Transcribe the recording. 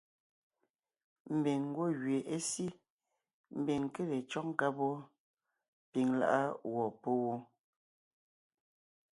Ḿbiŋ ńgwɔ́ gẅie é sí, ḿbiŋ ńké le cÿɔ́g nkáb wɔ́, piŋ lá’a gwɔ̂ pɔ́ wó.